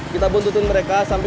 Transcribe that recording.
kita bisa bertemu